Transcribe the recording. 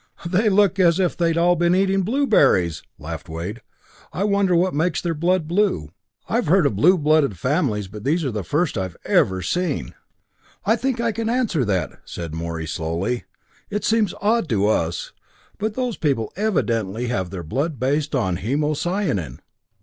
"They look as if they'd all been eating blueberries!" laughed Wade. "I wonder what makes their blood blue? I've heard of blue blooded families, but these are the first I've ever seen!" "I think I can answer that," said Morey slowly. "It seems odd to us but those people evidently have their blood based on hemocyanin.